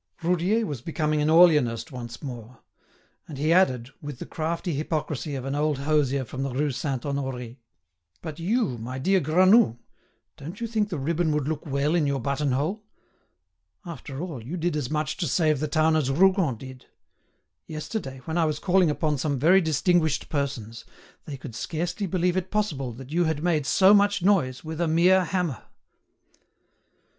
Roudier was becoming an Orleanist once more. And he added, with the crafty hypocrisy of an old hosier from the Rue Saint Honoré: "But you, my dear Granoux; don't you think the ribbon would look well in your button hole? After all, you did as much to save the town as Rougon did. Yesterday, when I was calling upon some very distinguished persons, they could scarcely believe it possible that you had made so much noise with a mere hammer."